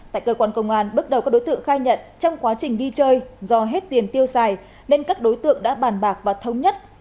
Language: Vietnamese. tại cơ quan công an bước đầu các đối tượng khai nhận trong quá trình đi chơi do hết tiền tiêu xài nên các đối tượng đã bàn bạc và thống nhất